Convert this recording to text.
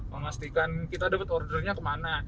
memastikan kita dapat ordernya kemana